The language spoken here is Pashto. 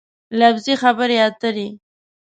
لفظي خبرې اترې